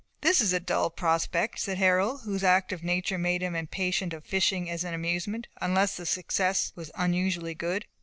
"This is a dull prospect," said Harold, whose active nature made him impatient of fishing as an amusement, unless the success was unusually good.